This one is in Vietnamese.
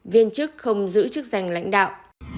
viên chức không giữ chức danh lãnh đạo